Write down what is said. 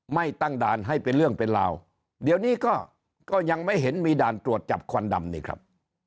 ตั้งด่านให้เป็นเรื่องเป็นราวเดี๋ยวนี้ก็ยังไม่เห็นมีด่านตรวจจับควันดำนี่ครับ